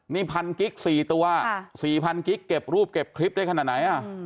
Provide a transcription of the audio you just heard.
นี่๑๐๐๐กิก๔ตัว๔พันกิกเก็บรูปเก็บคลิปได้ขนาดไหนอะ